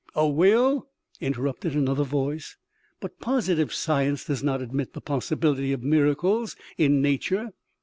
"A will?" interrupted another voice. "But positive science does not admit the possibility of miracles in nature."